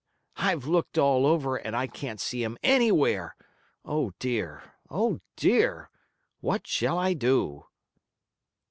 I've looked all over and I can't see him anywhere. Oh, dear! Oh, dear! What shall I do?"